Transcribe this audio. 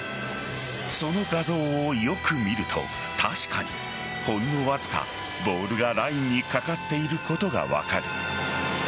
その画像をよく見ると確かに、ほんのわずかボールがラインにかかっていることが分かる。